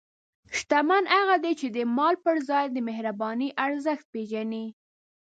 شتمن هغه دی چې د مال پر ځای د مهربانۍ ارزښت پېژني.